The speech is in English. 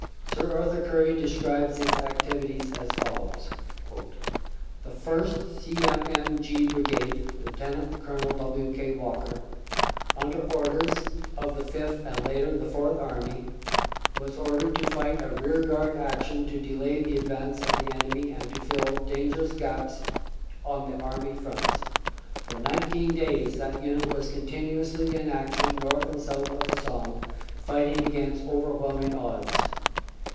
Sir Arthur Currie describes its activities as follows : "The 1st. C.M.M.G. Brigade (Lt. Col. W. K. Walker), under orders of the Fifth and later of the Fourth Army, was ordered to fight a rearguard action to delay the advance of the enemy and to fill dangerous gaps on the Army fronts. For 19 days that Unit was continuously in action north and south of the Somme, fighting against overwhelming odds.